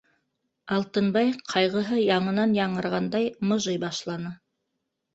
Алтынбай, ҡайғыһы яңынан яңырғандай, мыжый башланы: